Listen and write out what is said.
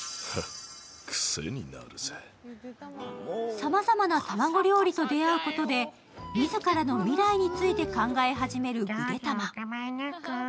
さまざまな卵料理と出会うことで自らの未来について考え始めるぐでたま。